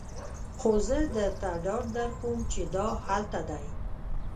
خو زه درته ډاډ درکوم چې دا هلته دی